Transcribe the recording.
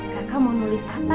kakak mau nulis apa nih adek